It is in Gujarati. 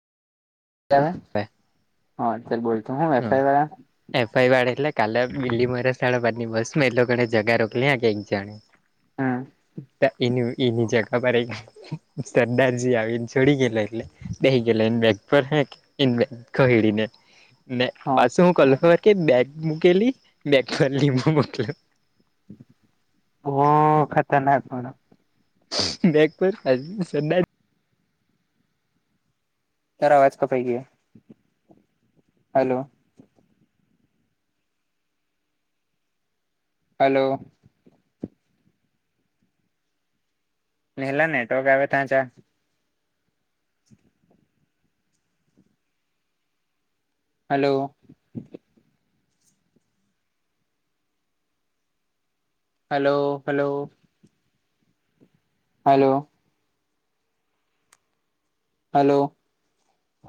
હાત્યારે બોલતો હું એફઆઈ વાળા એફડ કાલે બલીમળ બસ એ જગ રકલી ક જા હમ ત એનું એની જગ ખરે સરદારજી આવીને છોડી ગેલો એટલે દઈ ગે એને બેગ પર હે એ કહડીને ને હા પાછું હું કલ કે બેગ મૂકેલી બેગ ફરલીું મોકલ ઓહ ખતરનાક મડ બેકપુર સર આવાજ કપકી હલો હલો નેલા નેટવર્ક આવે ત્યાં ચા hello hello hello hello hello